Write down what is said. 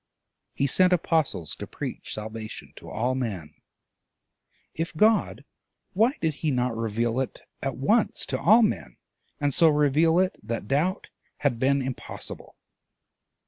He sent apostles to preach salvation to all men: if God, why did he not reveal it at once to all men, and so reveal it that doubt had been impossible?